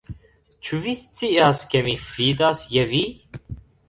Ĉu vi scias ke mi fidas je vi?